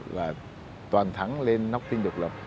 và toàn thắng lên nóc tinh độc lập